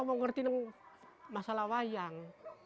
mengerti masalah wayang